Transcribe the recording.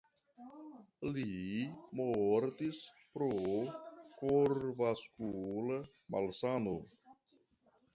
Li mortis pro korvaskula malsano.